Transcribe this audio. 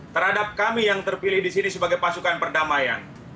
terhadap kami yang terpilih di sini sebagai pasukan perdamaian